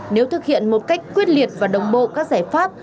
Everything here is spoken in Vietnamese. nếu thực hiện một cách quyết liệt và đồng bộ các giải pháp